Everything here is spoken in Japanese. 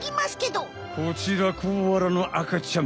こちらコアラのあかちゃん。